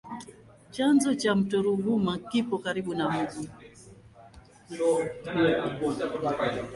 Chanzo cha mto Ruvuma kipo karibu na mji.